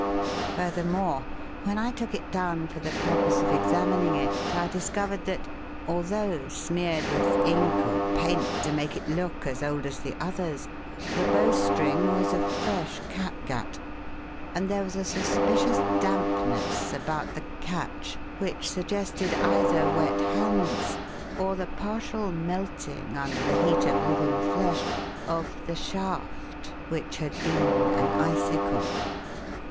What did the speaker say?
Furthermore, when I took it down for the purpose of examining it I discovered that, although smeared with ink or paint to make it look as old as the others, the bowstring was of fresh catgut, and there was a suspicious dampness about the 'catch,' which suggested either wet hands or the partial melting, under the heat of living flesh, of the 'shaft,' which had been an icicle.